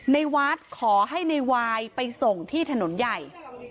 ในวัดขอให้ในวายไปส่งที่ถนนใหญ่